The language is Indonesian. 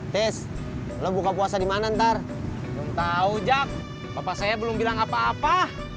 tes lu buka puasa di mana ntar tahu jack bapak saya belum bilang apa apa